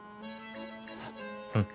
うん。